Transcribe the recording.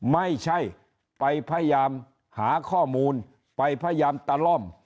ไม่ใช่ไปพยายามหาข้อมูลไปพยายามตะล่อม